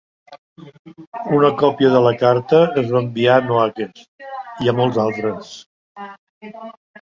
Una copia de la carta es va enviar a Noakes i a molts altres.